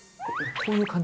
こういう感じ。